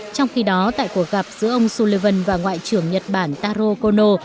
trong khi đó tại cuộc gặp giữa ông sullivan và ngoại trưởng nhật bản taro kono